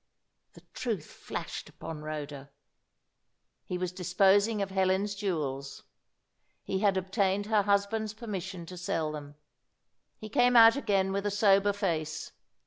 The truth flashed upon Rhoda. He was disposing of Helen's jewels. He had obtained her husband's permission to sell them. He came out again with a sober face.